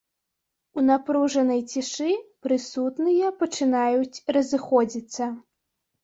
У напружанай цішы прысутныя пачынаюць разыходзіцца.